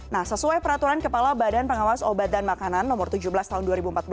nah sesuai peraturan kepala badan pengawas obat dan makanan nomor tujuh belas tahun dua ribu empat belas